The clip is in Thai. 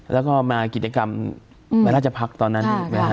แล้วก็มากิจกรรมเวลาจะพักตอนนั้น